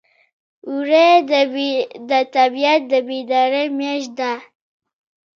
وری د طبیعت د بیدارۍ میاشت ده.